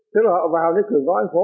tức là họ vào đến cửa gói phố